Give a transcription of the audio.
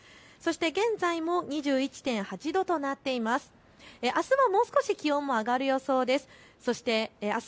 現在も２１．８度となっています。